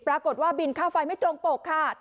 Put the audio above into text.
ปรากฏว่าบินค่าไฟไม่ตรงปกค่ะ